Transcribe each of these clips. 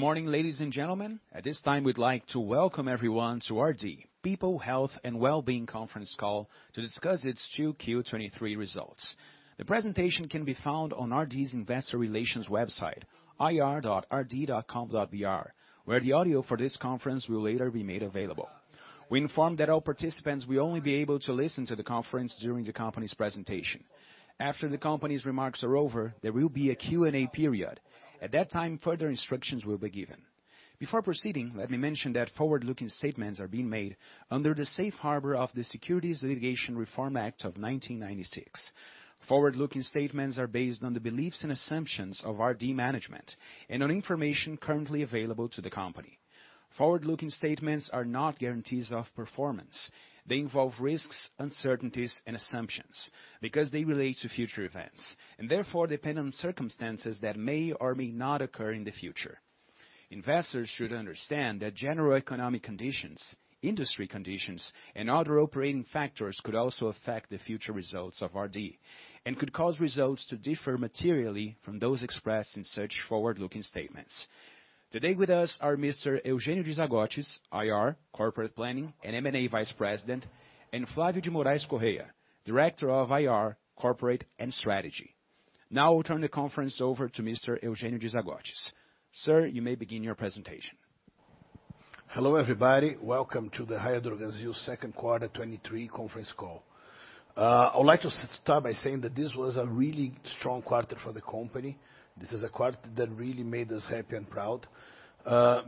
Good morning, ladies and gentlemen. At this time, we'd like to welcome everyone to RD People, Health and Wellbeing conference call to discuss its 2Q 2023 results. The presentation can be found on RD's Investor Relations website, ir.rd.com.br, where the audio for this conference will later be made available. We inform that all participants will only be able to listen to the conference during the company's presentation. After the company's remarks are over, there will be a Q&A period. At that time, further instructions will be given. Before proceeding, let me mention that forward-looking statements are being made under the Safe Harbor of the Securities Litigation Reform Act of 1996. Forward-looking statements are based on the beliefs and assumptions of RD management and on information currently available to the company. Forward-looking statements are not guarantees of performance. They involve risks, uncertainties, and assumptions because they relate to future events, and therefore depend on circumstances that may or may not occur in the future. Investors should understand that general economic conditions, industry conditions, and other operating factors could also affect the future results of RD and could cause results to differ materially from those expressed in such forward-looking statements. Today with us are Mr. Eugenio de Zagottis, IR, Corporate Planning and M&A Vice President, and Flavio de Moraes Correia, Director of IR, Corporate and Strategy. Now I'll turn the conference over to Mr. Eugenio de Zagottis. Sir, you may begin your presentation. Hello, everybody. Welcome to the Raia Drogasil's second quarter 2023 conference call. I would like to start by saying that this was a really strong quarter for the company. This is a quarter that really made us happy and proud,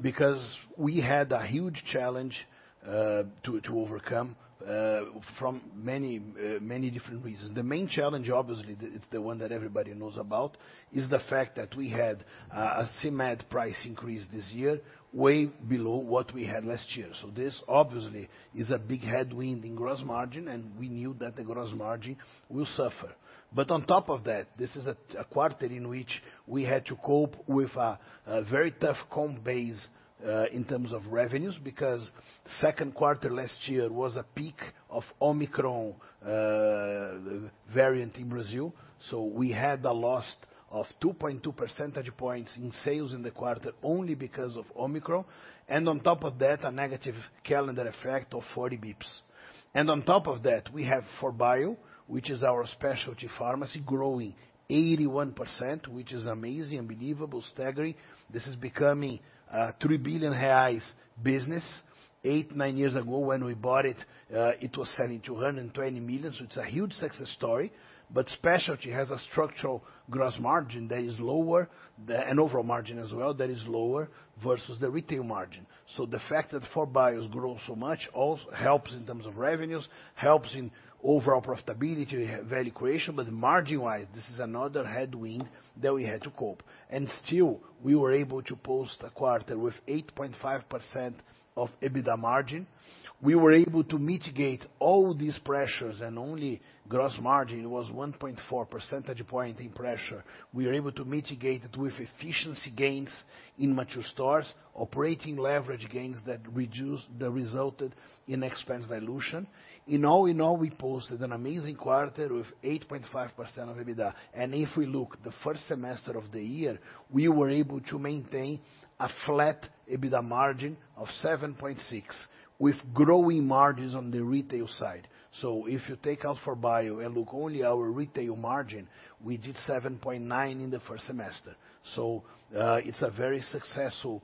because we had a huge challenge to overcome from many different reasons. The main challenge, obviously, the, it's the one that everybody knows about, is the fact that we had a CMED price increase this year, way below what we had last year. This obviously is a big headwind in gross margin, and we knew that the gross margin will suffer. On top of that, this is a quarter in which we had to cope with a very tough comp base in terms of revenues, because second quarter last year was a peak of Omicron variant in Brazil. So we had a loss of 2.2 percentage points in sales in the quarter only because of Omicron, and on top of that, a negative calendar effect of 40 basis points. On top of that, we have 4Bio, which is our specialty pharmacy, growing 81%, which is amazing, unbelievable, staggering. This is becoming a 3 billion reais business. Eight, nine years ago, when we bought it, it was selling 220 million, so it's a huge success story. But specialty has a structural gross margin that is lower, and overall margin as well, that is lower versus the retail margin. The fact that 4Bio's grown so much also helps in terms of revenues, helps in overall profitability, value creation, but margin-wise, this is another headwind that we had to cope. Still, we were able to post a quarter with 8.5% of EBITDA margin. We were able to mitigate all these pressures, and only gross margin was 1.4 percentage point in pressure. We were able to mitigate it with efficiency gains in mature stores, operating leverage gains that reduced, that resulted in expense dilution. In all, in all, we posted an amazing quarter with 8.5% of EBITDA. If we look the first semester of the year, we were able to maintain a flat EBITDA margin of 7.6%, with growing margins on the retail side. If you take out 4Bio and look only our retail margin, we did 7.9% in the first semester. It's a very successful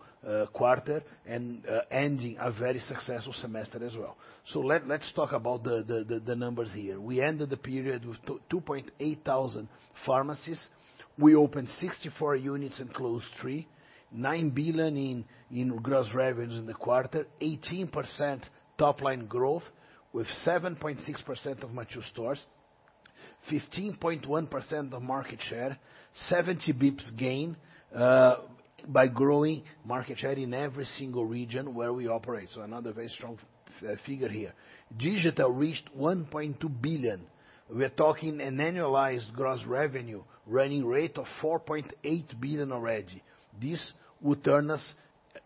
quarter and ending a very successful semester as well. Let's talk about the numbers here. We ended the period with 2,800 pharmacies. We opened 64 units and closed three. 9 billion in gross revenues in the quarter, 18% top line growth with 7.6% of mature stores, 15.1% of market share, 70 basis points gain by growing market share in every single region where we operate. Another very strong figure here. Digital reached 1.2 billion. We're talking an annualized gross revenue running rate of 4.8 billion already. This would turn us,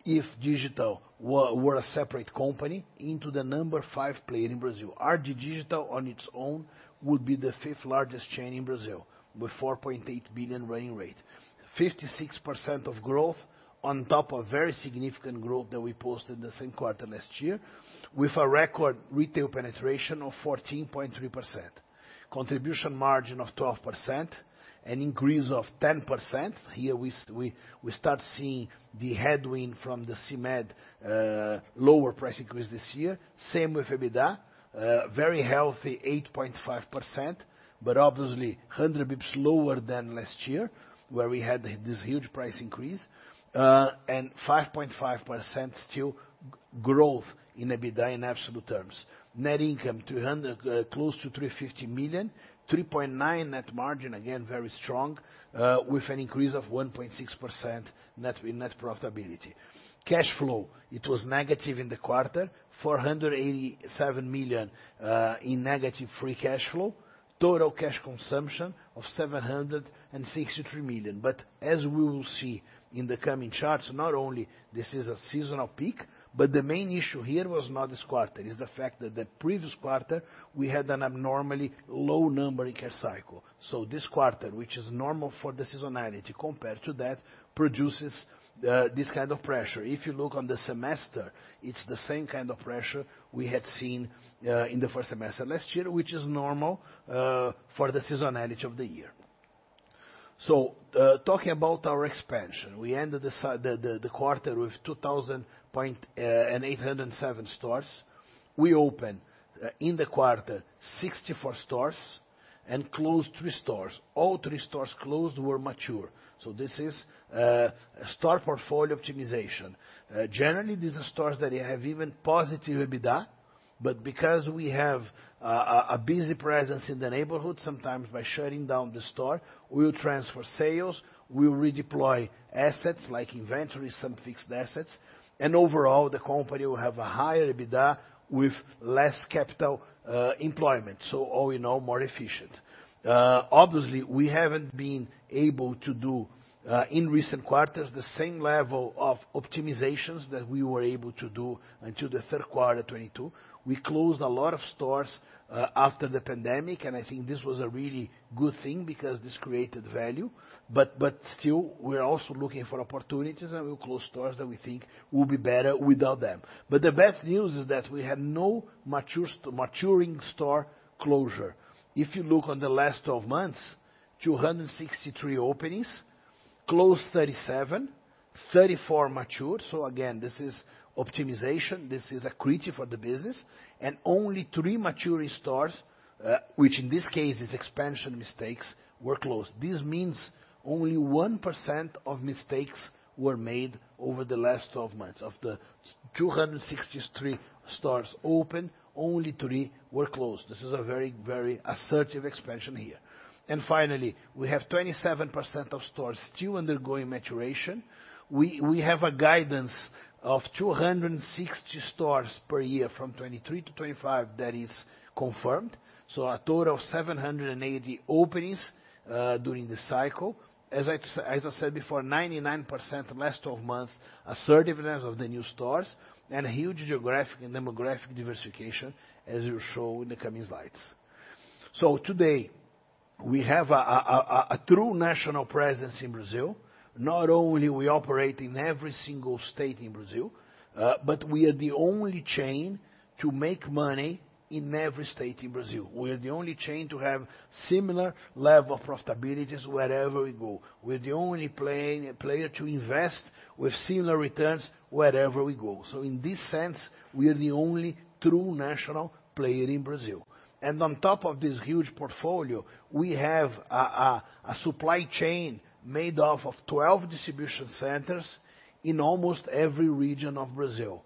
if digital were a separate company, into the number five player in Brazil. RD Digital on its own would be the fifth largest chain in Brazil, with 4.8 billion running rate. 56% of growth on top of very significant growth that we posted the same quarter last year, with a record retail penetration of 14.3%. Contribution margin of 12%, an increase of 10%. Here we start seeing the headwind from the CMED lower price increase this year. Same with EBITDA, very healthy 8.5%, but obviously 100 basis points lower than last year, where we had this huge price increase, and 5.5% still growth in EBITDA in absolute terms. Net income, 300 million, close to 350 million, 3.9 net margin, again, very strong, with an increase of 1.6% net, net profitability. Cash flow, it was negative in the quarter, 487 million in negative free cash flow, total cash consumption of 763 million. As we will see in the coming charts, not only this is a seasonal peak, but the main issue here was not this quarter, it's the fact that the previous quarter, we had an abnormally low number in cash cycle. This quarter, which is normal for the seasonality compared to that, produces this kind of pressure. If you look on the semester, it's the same kind of pressure we had seen in the first semester last year, which is normal for the seasonality of the year. Talking about our expansion, we ended the quarter with 2,807 stores. We opened in the quarter, 64 stores and closed three stores. All three stores closed were mature, this is a store portfolio optimization. Generally, these are stores that have even positive EBITDA, but because we have a busy presence in the neighborhood, sometimes by shutting down the store, we will transfer sales, we will redeploy assets like inventory, some fixed assets, and overall, the company will have a higher EBITDA with less capital employment, all in all, more efficient. Obviously, we haven't been able to do in recent quarters, the same level of optimizations that we were able to do until the third quarter 2022. We closed a lot of stores after the pandemic, and I think this was a really good thing because this created value. Still, we're also looking for opportunities, and we'll close stores that we think will be better without them. The best news is that we have no mature maturing store closure. If you look on the last 12 months, 263 openings, closed 37, 34 mature. Again, this is optimization, this is accretive for the business, and only three maturing stores, which in this case is expansion mistakes, were closed. This means only 1% of mistakes were made over the last 12 months. Of the 263 stores opened, only three were closed. This is a very, very assertive expansion here. Finally, we have 27% of stores still undergoing maturation. We have a guidance of 260 stores per year from 2023 to 2025 that is confirmed, a total of 780 openings during this cycle. As I said before, 99% last 12 months, assertiveness of the new stores, and a huge geographic and demographic diversification, as we'll show in the coming slides. Today, we have a true national presence in Brazil. Not only we operate in every single state in Brazil, but we are the only chain to make money in every state in Brazil. We are the only chain to have similar level of profitabilities wherever we go. We're the only player to invest with similar returns wherever we go. In this sense, we are the only true national player in Brazil. On top of this huge portfolio, we have a supply chain made of 12 distribution centers in almost every region of Brazil.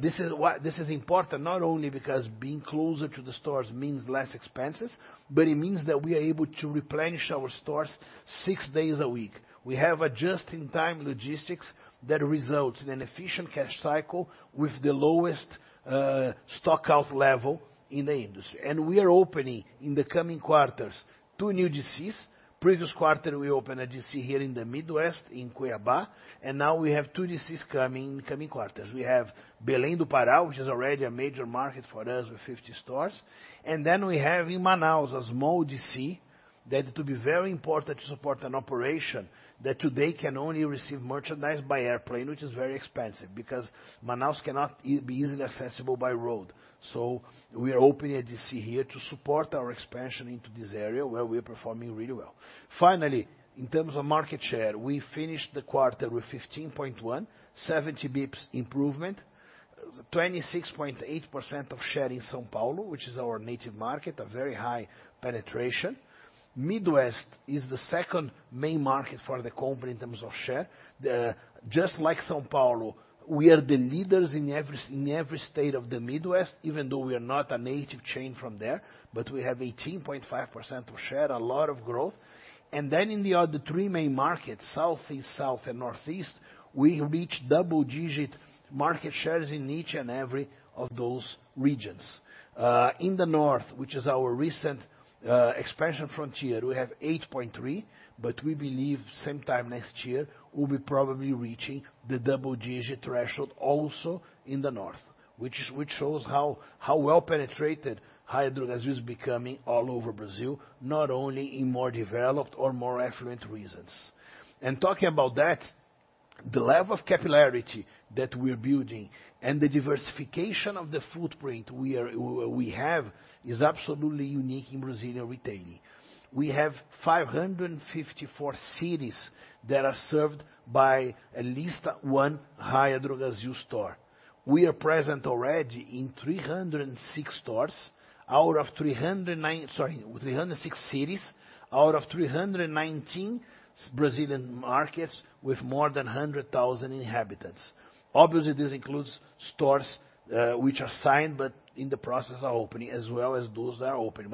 This is why this is important, not only because being closer to the stores means less expenses, but it means that we are able to replenish our stores six days a week. We have a just-in-time logistics that results in an efficient cash cycle with the lowest stock out level in the industry. We are opening, in the coming quarters, two new DCs. Previous quarter, we opened a DC here in the Midwest, in Cuiabá, and now we have two DCs coming in the coming quarters. We have Belém do Pará, which is already a major market for us with 50 stores, and then we have in Manaus, a small DC, that to be very important to support an operation that today can only receive merchandise by airplane, which is very expensive, because Manaus cannot be easily accessible by road. We are opening a DC here to support our expansion into this area, where we are performing really well. Finally, in terms of market share, we finished the quarter with 15.1 basis points, 70 basis points improvement, 26.8% of share in São Paulo, which is our native market, a very high penetration. Midwest is the second main market for the company in terms of share. Just like São Paulo, we are the leaders in every, in every state of the Midwest, even though we are not a native chain from there, but we have 18.5% of share, a lot of growth. Then in the other three main markets, Southeast, South, and Northeast, we reach double-digit market shares in each and every of those regions. In the North, which is our recent expansion frontier, we have 8.3, but we believe same time next year, we'll be probably reaching the double-digit threshold also in the North, which shows how, how well penetrated Raia Drogasil is becoming all over Brazil, not only in more developed or more affluent regions. Talking about that, the level of capillarity that we're building and the diversification of the footprint we are, we have, is absolutely unique in Brazilian retailing. We have 554 cities that are served by at least one Raia Drogasil store. We are present already in 306 stores, out of 309. Sorry, 306 cities, out of 319 Brazilian markets with more than 100,000 inhabitants. Obviously, this includes stores, which are signed, but in the process of opening, as well as those that are open.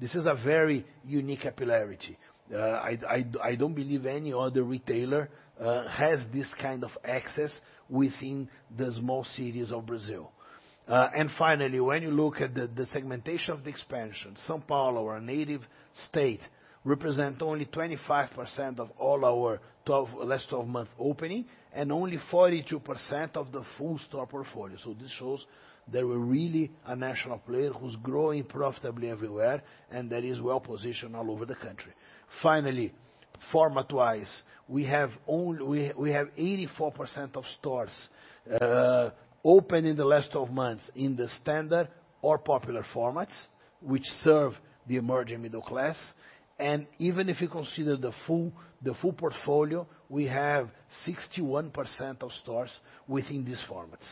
This is a very unique capillarity. I don't believe any other retailer has this kind of access within the small cities of Brazil. Finally, when you look at the, the segmentation of the expansion, São Paulo, our native state, represent only 25% of all our last 12 month opening, and only 42% of the full store portfolio. This shows that we're really a national player who's growing profitably everywhere, and that is well-positioned all over the country. Finally, format-wise, we have 84% of stores open in the last 12 months in the standard or popular formats, which serve the emerging middle class. Even if you consider the full portfolio, we have 61% of stores within these formats.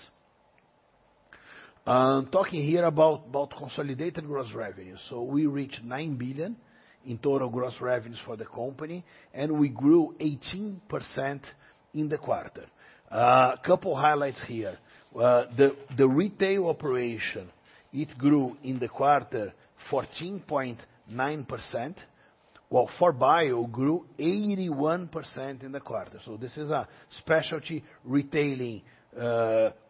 Talking here about consolidated gross revenue. We reached 9 billion in total gross revenues for the company, and we grew 18% in the quarter. Couple highlights here. The retail operation, it grew in the quarter 14.9%, while 4Bio grew 81% in the quarter. This is a specialty retailing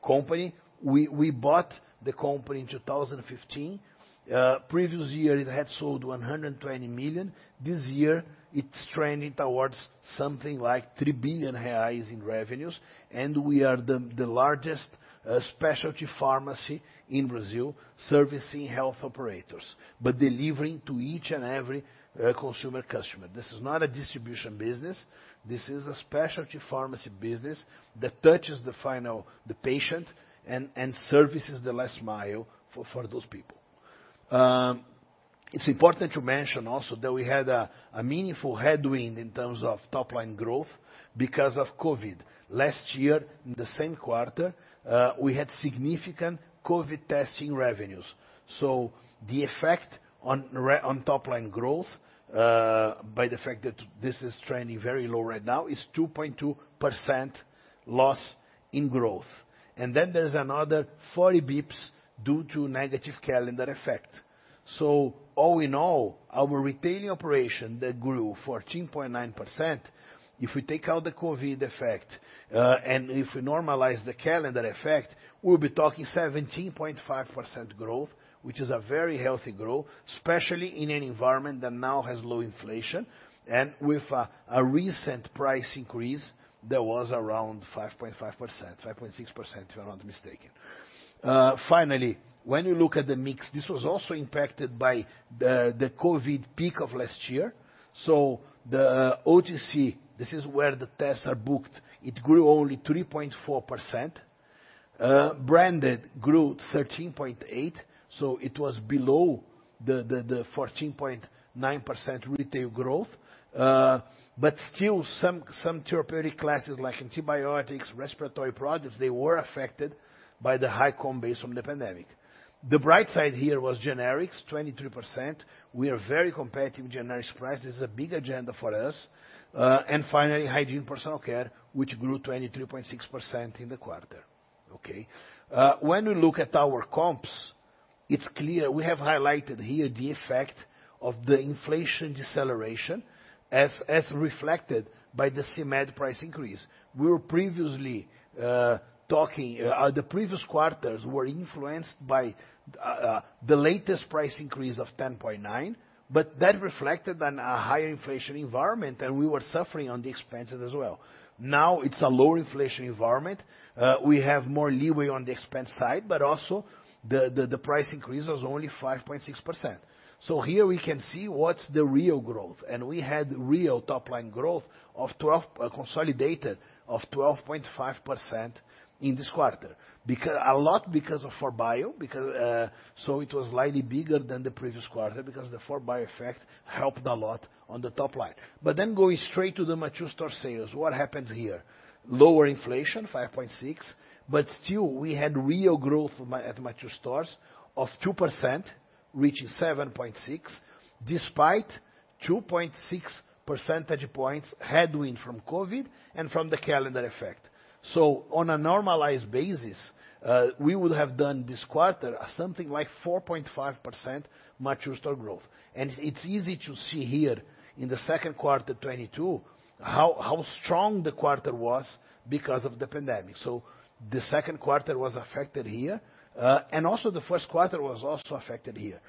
company. We bought the company in 2015. Previous year, it had sold 120 million. This year, it's trending towards something like 3 billion reais in revenues, we are the, the largest specialty pharmacy in Brazil, servicing health operators, but delivering to each and every consumer customer. This is not a distribution business, this is a specialty pharmacy business that touches the final the patient, and services the last mile for those people. It's important to mention also that we had a meaningful headwind in terms of top line growth because of COVID. Last year, in the same quarter, we had significant COVID testing revenues. The effect on top line growth, by the fact that this is trending very low right now, is 2.2% loss in growth. Then there's another 40 basis points due to negative calendar effect. All in all, our retailing operation that grew 14.9%, if we take out the COVID effect, and if we normalize the calendar effect, we'll be talking 17.5% growth, which is a very healthy growth, especially in an environment that now has low inflation and with a recent price increase that was around 5.5%-5.6%, if I'm not mistaken. Finally, when you look at the mix, this was also impacted by the COVID peak of last year. The OTC, this is where the tests are booked, it grew only 3.4%. Branded grew 13.8%, it was below the 14.9% retail growth. Still, some, some therapeutic classes, like antibiotics, respiratory products, they were affected by the high comp base from the pandemic. The bright side here was generics, 23%. We are very competitive in generics price. This is a big agenda for us. Finally, hygiene personal care, which grew 23.6% in the quarter. Okay? When we look at our comps, it's clear. We have highlighted here the effect of the inflation deceleration as, as reflected by the CMED price increase. We were previously talking. The previous quarters were influenced by the latest price increase of 10.9, but that reflected on a higher inflation environment, and we were suffering on the expenses as well. Now, it's a lower inflation environment. We have more leeway on the expense side, but also the, the, the price increase was only 5.6%. Here we can see what's the real growth, and we had real top-line growth of 12, consolidated, of 12.5% in this quarter. A lot because of 4Bio, because. It was slightly bigger than the previous quarter, because the 4Bio effect helped a lot on the top line. Going straight to the mature store sales, what happens here? Lower inflation, 5.6, but still, we had real growth at mature stores of 2%, reaching 7.6, despite 2.6 percentage points headwind from COVID and from the calendar effect. On a normalized basis, we would have done this quarter something like 4.5% mature store growth. It's easy to see here in the second quarter, 2022, how strong the quarter was because of the pandemic. The second quarter was affected here, and also the first quarter was also affected here.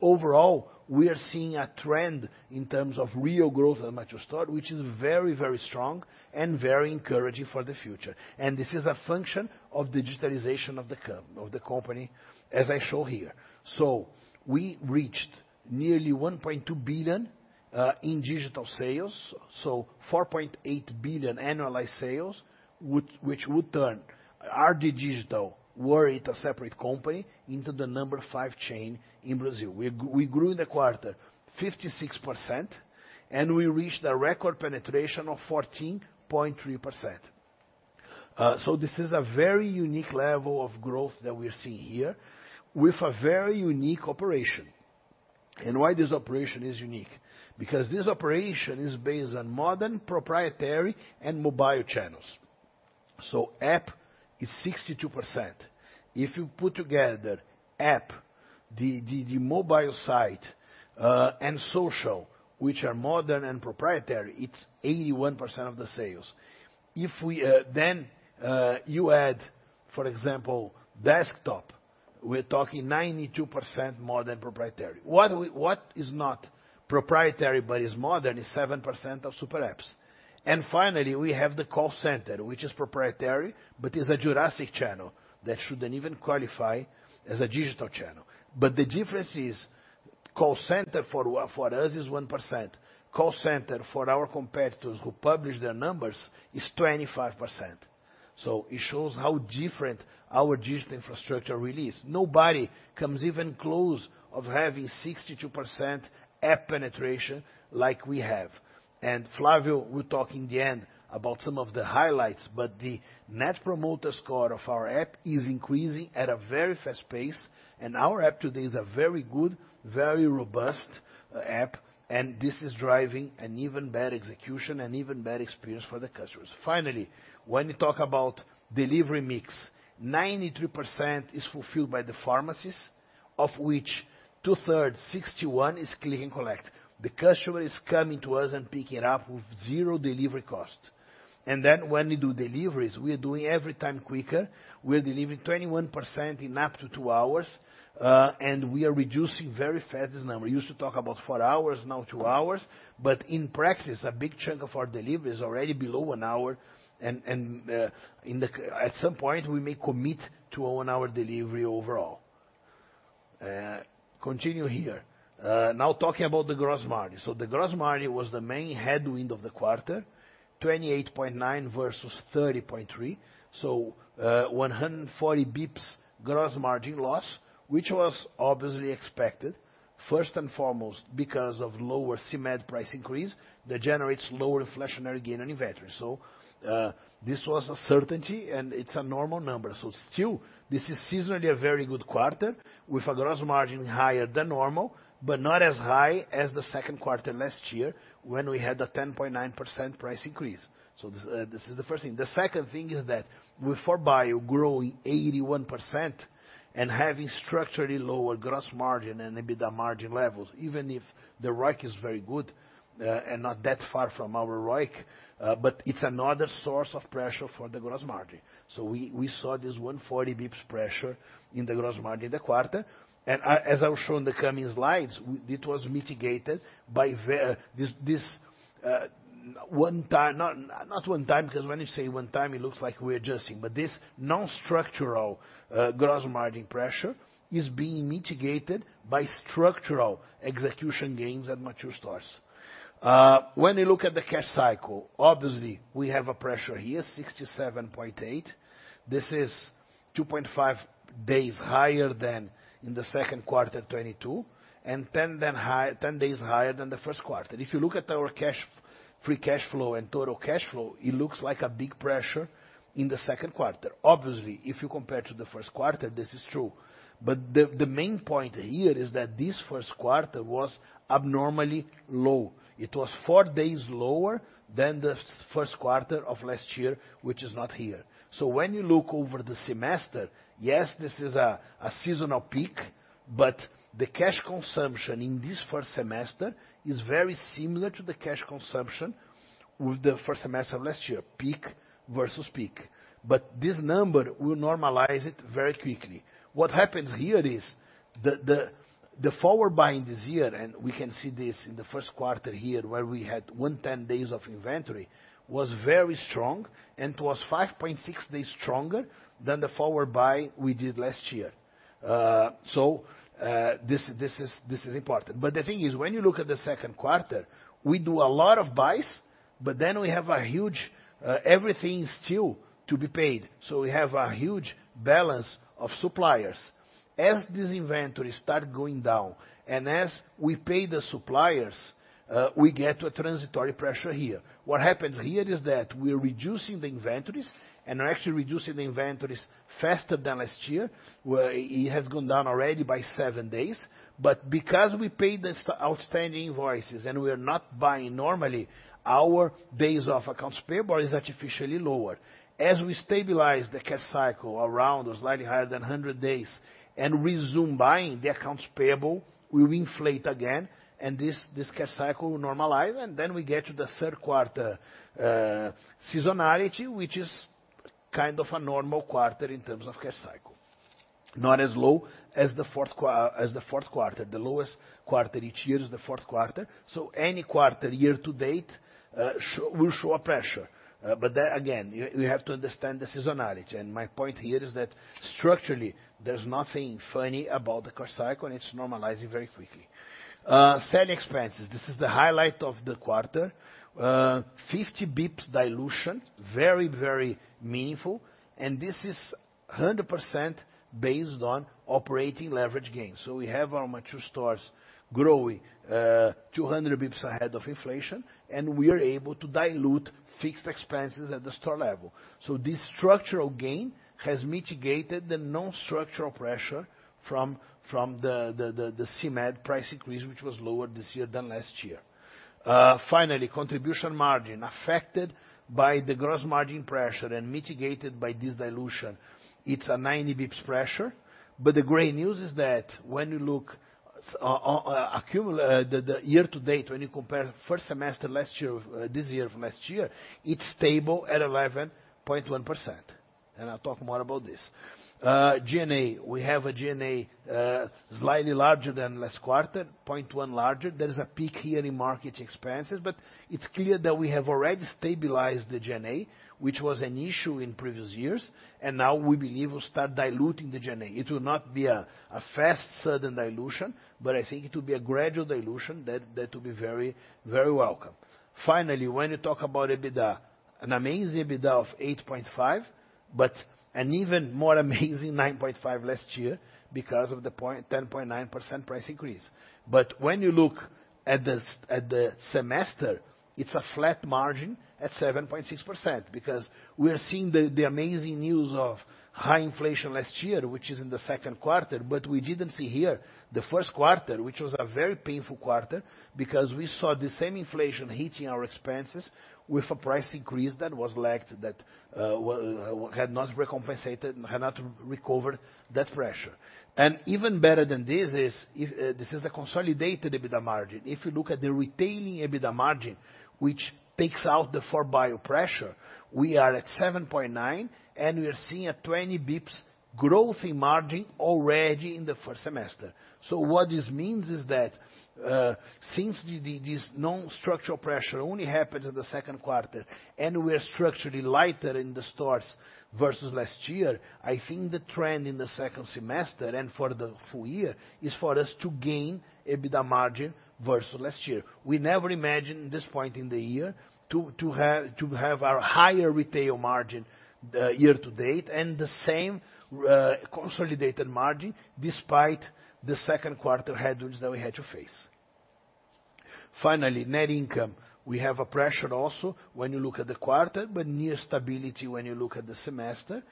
Overall, we are seeing a trend in terms of real growth in the mature store, which is very, very strong and very encouraging for the future. This is a function of digitalization of the company, as I show here. We reached nearly 1.2 billion in digital sales, so 4.8 billion annualized sales, which would turn RD Digital, were it a separate company, into the number five chain in Brazil. We grew in the quarter 56%, and we reached a record penetration of 14.3%. This is a very unique level of growth that we're seeing here, with a very unique operation. Why this operation is unique? Because this operation is based on modern, proprietary, and mobile channels. App is 62%. If you put together app, the, the, the mobile site, and social, which are modern and proprietary, it's 81% of the sales. If we, then, you add, for example, desktop, we're talking 92% modern proprietary. What is not proprietary but is modern, is 7% of super apps. Finally, we have the call center, which is proprietary, but is a Jurassic channel that shouldn't even qualify as a digital channel. The difference is call center for o- for us is 1%, call center for our competitors who publish their numbers, is 25%. It shows how different our digital infrastructure really is. Nobody comes even close of having 62% app penetration like we have. Flavio will talk in the end about some of the highlights, but the Net Promoter Score of our app is increasing at a very fast pace, and our app today is a very good, very robust app, and this is driving an even better execution and even better experience for the customers. Finally, when we talk about delivery mix, 93% is fulfilled by the pharmacies, of which 2/3, 61, is Click & Collect. The customer is coming to us and picking it up with zero delivery cost. Then when we do deliveries, we are doing every time quicker. We're delivering 21% in up to two hours, and we are reducing very fast this number. We used to talk about four hours, now two hours, but in practice, a big chunk of our delivery is already below one hour, and at some point, we may commit to a one-hour delivery overall. Continue here. Now talking about the gross margin. The gross margin was the main headwind of the quarter, 28.9 versus 30.3, 140 basis points gross margin loss, which was obviously expected, first and foremost, because of lower CMED price increase, that generates lower inflationary gain on inventory. This was a certainty, and it's a normal number. Still, this is seasonally a very good quarter, with a gross margin higher than normal, but not as high as the second quarter last year, when we had a 10.9% price increase. This is the first thing. The second thing is that with 4Bio growing 81% and having structurally lower gross margin and EBITDA margin levels, even if the ROIC is very good, and not that far from our ROIC, it's another source of pressure for the gross margin. We, we saw this 140 basis points pressure in the gross margin in the quarter, as I'll show in the coming slides, it was mitigated by this, this, one time. Not, not one time, because when you say one time, it looks like we're adjusting, but this non-structural, gross margin pressure is being mitigated by structural execution gains at mature stores. When you look at the cash cycle, obviously, we have a pressure here, 67.8. This is 2.5 days higher than in the second quarter, 2022, and 10 days higher than the first quarter. If you look at our cash, free cash flow and total cash flow, it looks like a big pressure in the second quarter. If you compare to the first quarter, this is true. The main point here is that this first quarter was abnormally low. It was four days lower than the first quarter of last year, which is not here. When you look over the semester, yes, this is a seasonal peak, but the cash consumption in this first semester is very similar to the cash consumption with the first semester of last year, peak versus peak. This number will normalize it very quickly. What happens here is the forward buying this year, and we can see this in the first quarter here, where we had 110 days of inventory, was very strong and was 5.6 days stronger than the forward buy we did last year. This is important. The thing is, when you look at the second quarter, we do a lot of buys, but then we have a huge, everything still to be paid, so we have a huge balance of suppliers. As this inventory start going down, and as we pay the suppliers, we get to a transitory pressure here. What happens here is that we're reducing the inventories, and we're actually reducing the inventories faster than last year, where it has gone down already by seven days. Because we paid the outstanding invoices and we are not buying normally, our days of accounts payable is artificially lower. As we stabilize the cash cycle around or slightly higher than 100 days and resume buying, the accounts payable will inflate again, and this, this cash cycle will normalize, and then we get to the third quarter, seasonality, which is kind of a normal quarter in terms of cash cycle. Not as low as the fourth quarter. The lowest quarter each year is the fourth quarter, so any quarter, year to date, will show a pressure. Again, you, you have to understand the seasonality. My point here is that structurally, there's nothing funny about the cash cycle, and it's normalizing very quickly. Selling expenses, this is the highlight of the quarter. 50 basis points dilution, very, very meaningful, and this is 100% based on operating leverage gains. We have our mature stores growing, 200 basis points ahead of inflation, and we are able to dilute fixed expenses at the store level. This structural gain has mitigated the non-structural pressure from, from the, the, the, the CMED price increase, which was lower this year than last year. Finally, contribution margin, affected by the gross margin pressure and mitigated by this dilution. It's a 90 basis points pressure, the great news is that when you look the, the year to date, when you compare first semester last year of, this year of last year, it's stable at 11.1%. I'll talk more about this. G&A, we have a G&A, slightly larger than last quarter, 0.1 larger. There is a peak here in market expenses, but it's clear that we have already stabilized the G&A, which was an issue in previous years, and now we believe we'll start diluting the G&A. It will not be a fast, sudden dilution, but I think it will be a gradual dilution that will be very, very welcome. Finally, when you talk about EBITDA, an amazing EBITDA of 8.5, but an even more amazing 9.5 last year because of the 10.9% price increase. When you look at the semester, it's a flat margin at 7.6%, because we are seeing the amazing news of high inflation last year, which is in the second quarter. We didn't see here the first quarter, which was a very painful quarter because we saw the same inflation hitting our expenses with a price increase that was lagged, that had not recompensated, had not recovered that pressure. Even better than this is, if this is a consolidated EBITDA margin. If you look at the retaining EBITDA margin, which takes out the 4Bio pressure, we are at 7.9, and we are seeing a 20 basis points growth in margin already in the first semester. What this means is that since the, this non-structural pressure only happened in the second quarter, and we are structurally lighter in the stores versus last year, I think the trend in the second semester and for the full year is for us to gain EBITDA margin versus last year. We never imagined this point in the year to have a higher retail margin, the year to date, and the same consolidated margin despite the second quarter headwinds that we had to face. Finally, net income. We have a pressure also when you look at the quarter, but near stability when you look at the semester.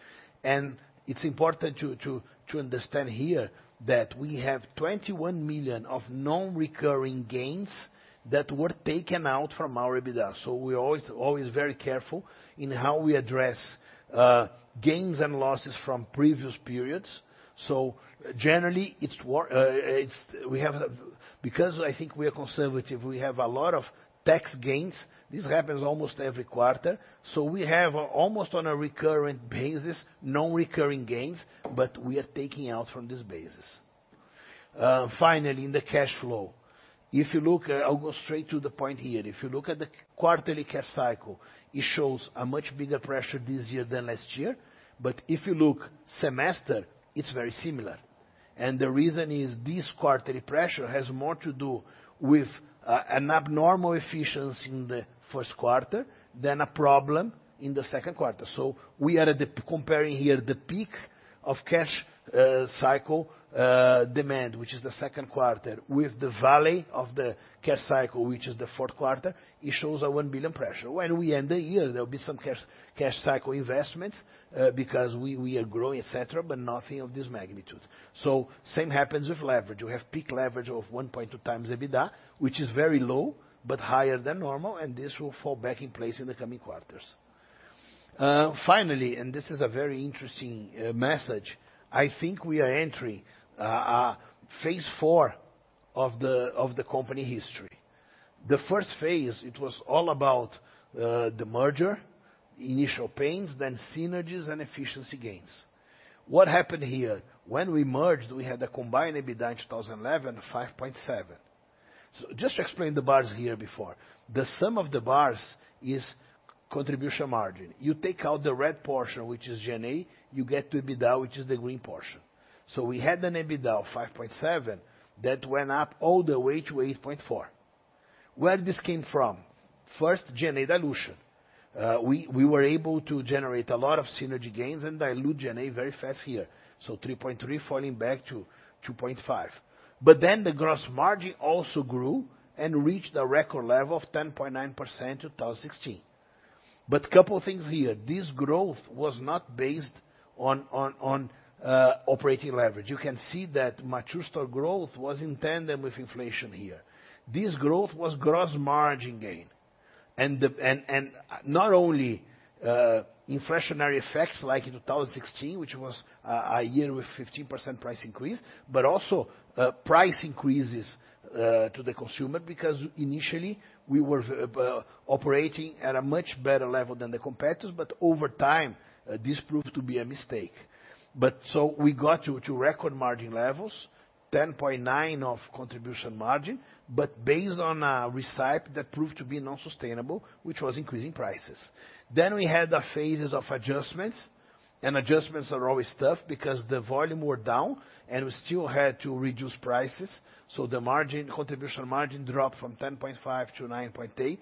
It's important to understand here that we have 21 million of non-recurring gains that were taken out from our EBITDA. We're always, always very careful in how we address gains and losses from previous periods. Generally, it's we have a because I think we are conservative, we have a lot of tax gains. This happens almost every quarter, so we have almost on a recurrent basis, non-recurring gains, but we are taking out from this basis. Finally, in the cash flow. If you look, I'll go straight to the point here. If you look at the quarterly cash cycle, it shows a much bigger pressure this year than last year. If you look semester, it's very similar. The reason is, this quarterly pressure has more to do with an abnormal efficiency in the first quarter than a problem in the second quarter. We are comparing here the peak of cash cycle demand, which is the second quarter, with the valley of the cash cycle, which is the fourth quarter, it shows a 1 billion pressure. When we end the year, there will be some cash, cash cycle investments, because we, we are growing, et cetera, but nothing of this magnitude. Same happens with leverage. You have peak leverage of 1.2x EBITDA, which is very low, but higher than normal, and this will fall back in place in the coming quarters. Finally, this is a very interesting message, I think we are entering a Phase 4 of the company history. The first phase, it was all about the merger, initial pains, then synergies and efficiency gains. What happened here? When we merged, we had a combined EBITDA in 2011, 5.7. Just to explain the bars here before, the sum of the bars is contribution margin. You take out the red portion, which is G&A, you get to EBITDA, which is the green portion. We had an EBITDA of 5.7 that went up all the way to 8.4. Where this came from? First, G&A dilution. We, we were able to generate a lot of synergy gains and dilute G&A very fast here, so 3.3 falling back to 2.5. The gross margin also grew and reached a record level of 10.9% in 2016. A couple of things here: This growth was not based on operating leverage. You can see that mature store growth was in tandem with inflation here. This growth was gross margin gain. Not only inflationary effects like in 2016, which was a year with 15% price increase, but also price increases to the consumer, because initially, we were operating at a much better level than the competitors, but over time, this proved to be a mistake. we got to, to record margin levels, 10.9 of contribution margin, based on a recipe that proved to be non-sustainable, which was increasing prices. we had the phases of adjustments, and adjustments are always tough because the volume were down and we still had to reduce prices, so the margin, contribution margin dropped from 10.5 to 9.8.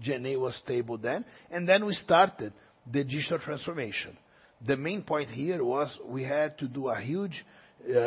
G&A was stable then. we started the digital transformation. The main point here was we had to do a huge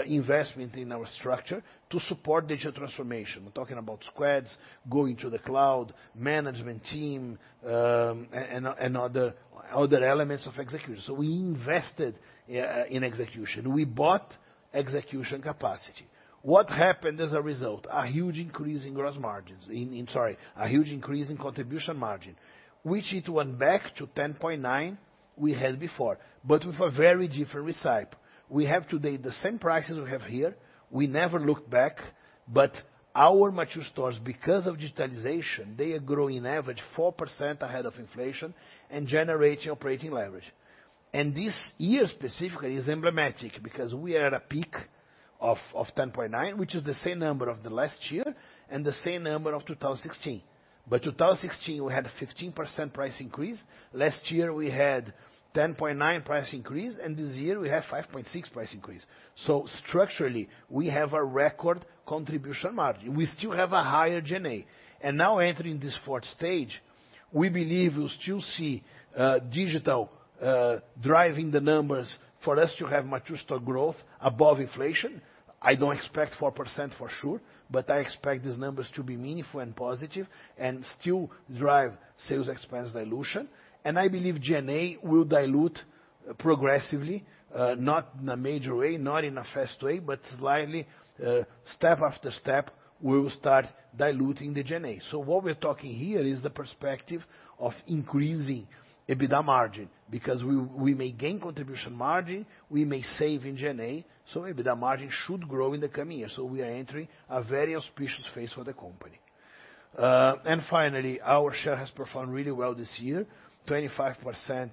investment in our structure to support digital transformation. We're talking about squads, going to the cloud, management team, and, and other, other elements of execution. we invested in execution. We bought execution capacity. What happened as a result? A huge increase in gross margins, in, in. Sorry, a huge increase in contribution margin, which it went back to 10.9% we had before, but with a very different recipe. We have today the same prices we have here. We never looked back, but our mature stores, because of digitalization, they are growing in average 4% ahead of inflation and generating operating leverage. This year specifically is emblematic because we are at a peak of 10.9%, which is the same number of the last year and the same number of 2016. 2016, we had a 15% price increase, last year we had 10.9% price increase, and this year we have 5.6% price increase. Structurally, we have a record contribution margin. We still have a higher G&A. Now entering this fourth stage, we believe we'll still see digital driving the numbers for us to have mature store growth above inflation. I don't expect 4% for sure, but I expect these numbers to be meaningful and positive, and still drive sales expense dilution. I believe G&A will dilute progressively, not in a major way, not in a fast way, but slightly, step after step, we will start diluting the G&A. What we're talking here is the perspective of increasing EBITDA margin, because we, we may gain contribution margin, we may save in G&A, so EBITDA margin should grow in the coming years. We are entering a very auspicious phase for the company. Finally, our share has performed really well this year. 25%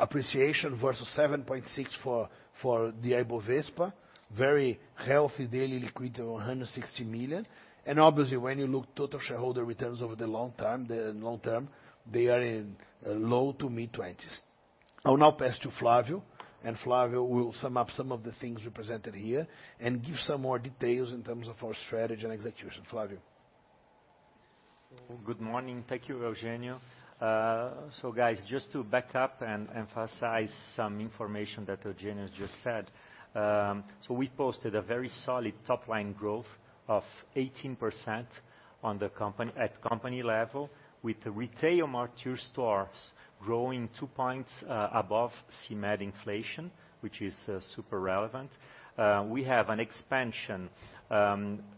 appreciation versus 7.6 for the Ibovespa. Very healthy daily liquidity, 160 million. Obviously, when you look total shareholder returns over the long time, the long term, they are in low to mid-20s. I'll now pass to Flavio. Flavio will sum up some of the things we presented here and give some more details in terms of our strategyand execution. Flavio? Good morning. Thank you, Eugenio. Guys, just to back up and emphasize some information that Eugenio just said. We posted a very solid top-line growth of 18% on the company- at company level, with the retail mature stores growing 2 points above CMED inflation, which is super relevant. We have an expansion,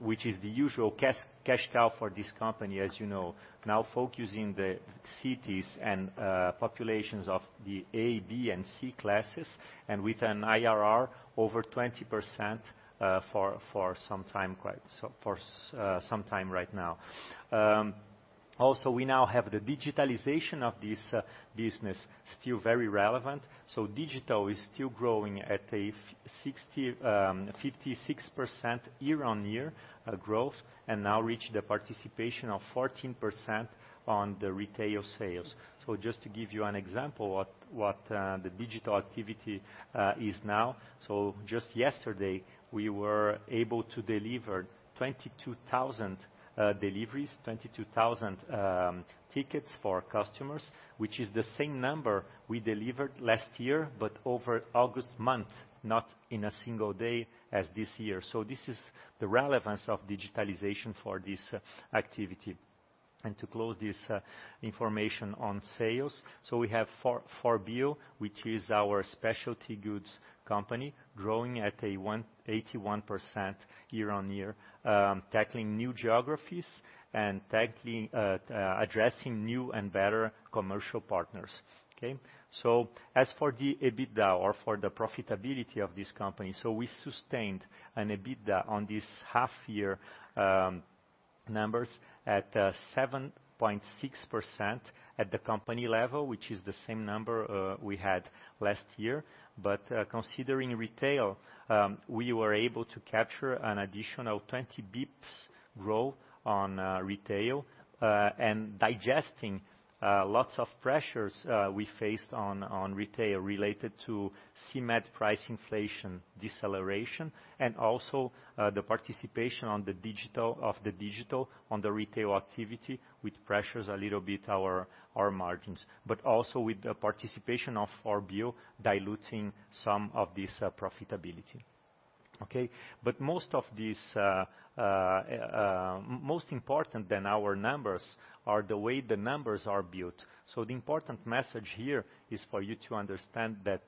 which is the usual cash, cash cow for this company, as you know, now focusing the cities and populations of the A, B and C classes, and with an IRR over 20% for some time right now. Also, we now have the digitalization of this business still very relevant. Digital is still growing at a 56% year-on-year growth, and now reach the participation of 14% on the retail sales. Just to give you an example what, what the digital activity is now. Just yesterday, we were able to deliver 22,000 deliveries, 22,000 tickets for customers, which is the same number we delivered last year, but over August month, not in a single day as this year. This is the relevance of digitalization for this activity. To close this information on sales, we have 4Bio, which is our specialty goods company, growing at 81% year-on-year, tackling new geographies and tackling addressing new and better commercial partners. Okay? As for the EBITDA or for the profitability of this company, we sustained an EBITDA on this half year numbers at 7.6% at the company level, which is the same number we had last year. Considering retail, we were able to capture an additional 20 basis points growth on retail and digesting lots of pressures we faced on retail related to CMED price inflation deceleration, and also the participation on the digital of the digital on the retail activity, which pressures a little bit our margins. Also with the participation of 4Bio, diluting some of this profitability. Okay? Most of this, most important than our numbers are the way the numbers are built. The important message here is for you to understand that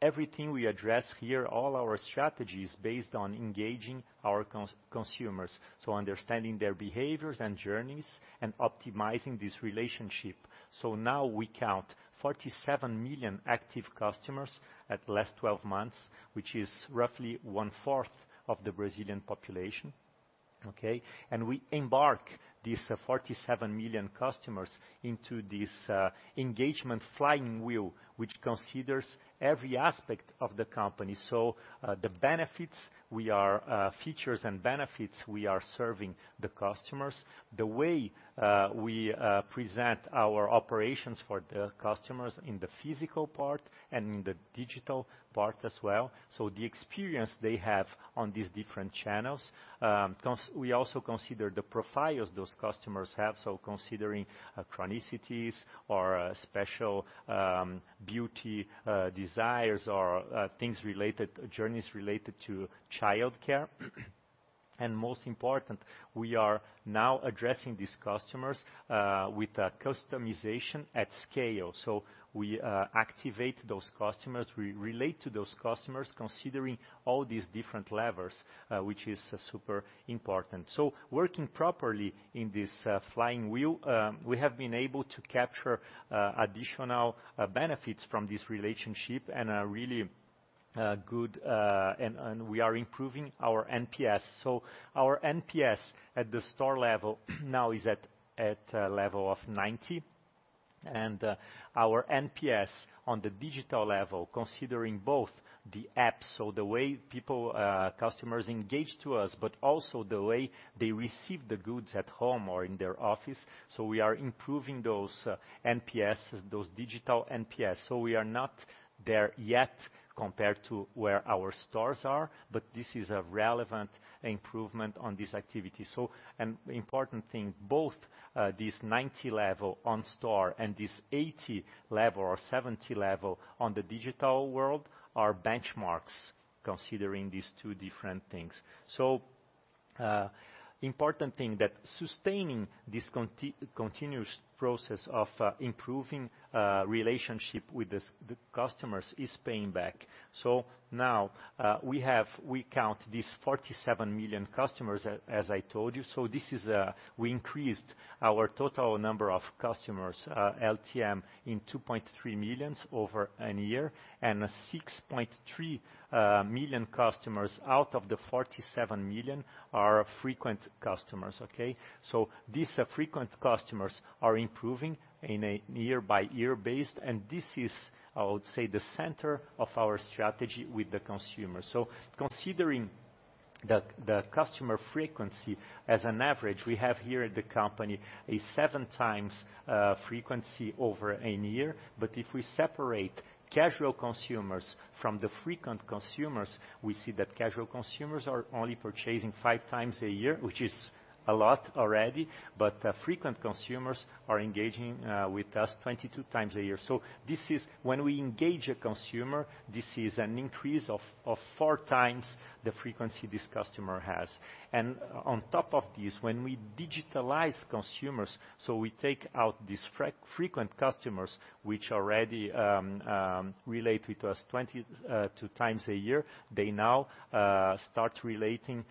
everything we address here, all our strategies based on engaging our consumers, so understanding their behaviors and journeys and optimizing this relationship. Now we count 47 million active customers at the last 12 months, which is roughly one-fourth of the Brazilian population, okay? We embark these 47 million customers into this engagement flywheel, which considers every aspect of the company. The benefits we are features and benefits, we are serving the customers. The way we present our operations for the customers in the physical part and in the digital part as well. The experience they have on these different channels, we also consider the profiles those customers have. Considering chronicities or special beauty desires, or things related, journeys related to childcare. Most important, we are now addressing these customers with a customization at scale. We activate those customers, we relate to those customers, considering all these different levels, which is super important. Working properly in this, flywheel, we have been able to capture, additional, benefits from this relationship and a really, good. We are improving our NPS. Our NPS at the store level now is at, at a level of 90. Our NPS on the digital level, considering both the app, so the way people, customers engage to us, but also the way they receive the goods at home or in their office. We are improving those NPS, those digital NPS. We are not there yet compared to where our stores are, but this is a relevant improvement on this activity. An important thing, both, this 90 level on store and this 80 level or 70 level on the digital world, are benchmarks, considering these two different things. Important thing that sustaining this continuous process of improving relationship with the customers is paying back. Now, we count these 47 million customers, as I told you, this is, we increased our total number of customers, LTM, in 2.3 million over a year, 6.3 million customers out of the 47 million are frequent customers, okay? These frequent customers are improving in a year-by-year base, this is, I would say, the center of our strategy with the consumer. Considering that the customer frequency as an average, we have here at the company, 7x frequency over a year. If we separate casual consumers from the frequent consumers, we see that casual consumers are only purchasing 5x a year, which is a lot already, frequent consumers are engaging with us 22x a year. This is when we engage a consumer, this is an increase of 4x the frequency this customer has. On top of this, when we digitalize consumers, we take out these frequent customers, which already relate with us 22x a year, they now start relating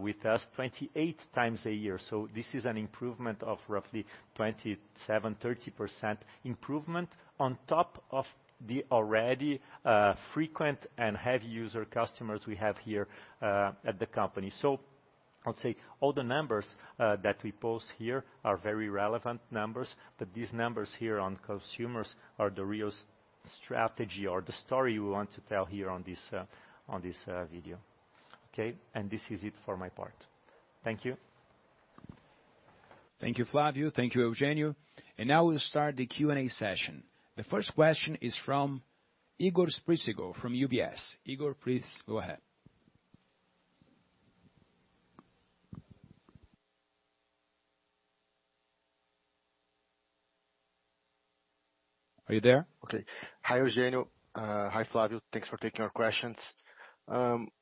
with us 28x a year. This is an improvement of roughly 27%-30% improvement on top of the already frequent and heavy user customers we have here at the company. I'd say all the numbers that we post here are very relevant numbers, but these numbers here on consumers are the real strategy or the story we want to tell here on this on this video. Okay, this is it for my part. Thank you. Thank you, Flavio. Thank you, Eugenio. Now we'll start the Q&A session. The first question is from Igor Spricigo, from UBS. Igor, please go ahead. Are you there? Okay. Hi, Eugenio. Hi, Flavio. Thanks for taking our questions.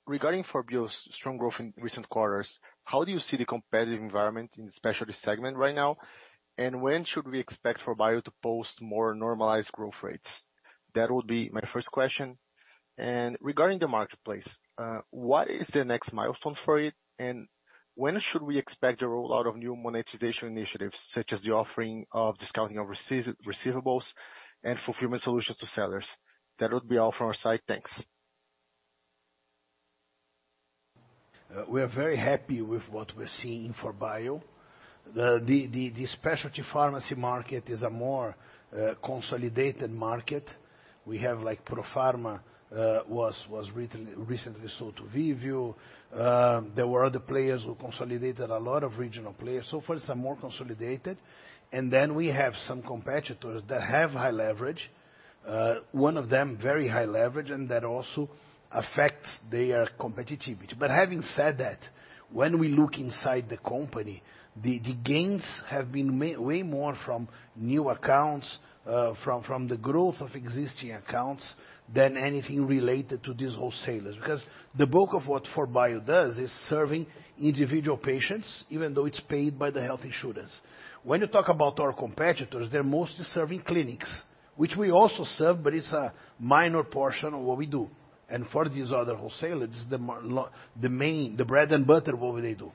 Regarding 4Bio's strong growth in recent quarters, how do you see the competitive environment in the specialty segment right now? When should we expect 4Bio to post more normalized growth rates? That would be my first question. Regarding the marketplace, what is the next milestone for it? When should we expect the rollout of new monetization initiatives, such as the offering of discounting of receivables and fulfillment solutions to sellers? That would be all from our side. Thanks. We are very happy with what we're seeing 4Bio. The, the, the, the specialty pharmacy market is a more consolidated market. We have, like, Profarma, was recently sold to Viveo. There were other players who consolidated a lot of regional players. For some, more consolidated, and then we have some competitors that have high leverage, one of them, very high leverage, and that also affects their competitivity. Having said that, when we look inside the company, the, the gains have been way more from new accounts, from the growth of existing accounts than anything related to these wholesalers. The bulk of what 4Bio does is serving individual patients, even though it's paid by the health insurance. When you talk about our competitors, they're mostly serving clinics, which we also serve, but it's a minor portion of what we do. For these other wholesalers, it's the main, the bread and butter, what they do.